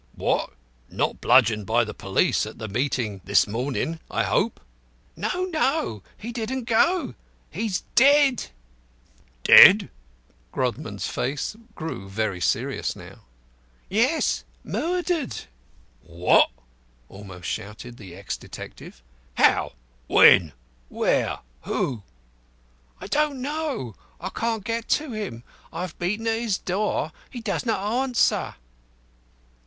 "What! Not bludgeoned by the police at the meeting this morning, I hope?" "No, no! He didn't go. He is dead." "Dead?" Grodman's face grew very serious now. "Yes. Murdered!" "What?" almost shouted the ex detective. "How? When? Where? Who?" "I don't know. I can't get to him. I have beaten at his door. He does not answer."